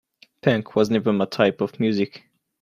Punk was never my type of music.